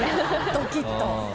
ドキっと。